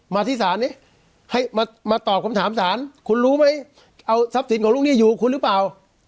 มาที่ศาลนี้ให้มาตอบคำถามสารคุณรู้ไหมเอาทรัพย์สินของลูกหนี้อยู่คุณหรือเปล่า